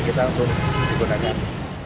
akhirnya kita untuk digunakan